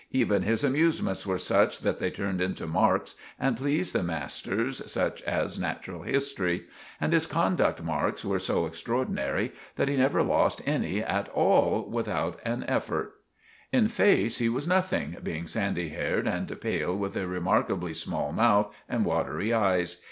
Even his amusements were such that they turned into marks and pleesed the masters, such as natural history; and his conduct marks were so exstraordinry that he never lost any at all without an effort. In face he was nothing, being sandy haired and pail with a remarkably small mouth and watery eyes.